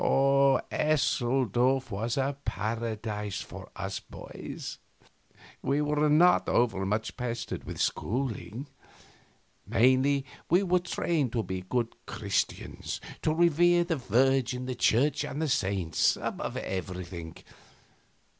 Eseldorf was a paradise for us boys. We were not overmuch pestered with schooling. Mainly we were trained to be good Christians; to revere the Virgin, the Church, and the saints above everything.